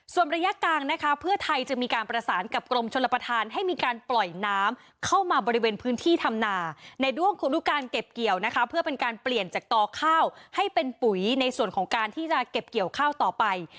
ส่วนระยะกลางนะคะเพื่อไทยจะมีการประสานกับกรมชลประธานให้มีการปล่อยน้ำเข้ามาบริเวณพื้นที่ธรรมนาในด้วงครูรุการเก็บเกี่ยวนะคะเพื่อเป็นการเปลี่ยนจากต่อข้าวให้เป็นปุ๋ยในส่วนของการที่จะเก็บเกี่ยวข้าวต่อไป